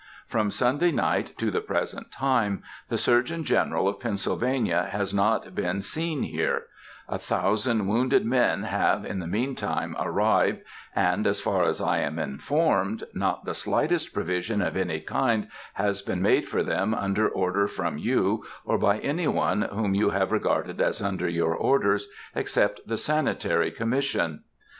From Sunday night to the present time, the Surgeon General of Pennsylvania has not been seen here; a thousand wounded men have, in the mean time, arrived, and, as far as I am informed, not the slightest provision of any kind has been made for them under order from you, or by any one whom you have regarded as under your orders, except the Sanitary Commission.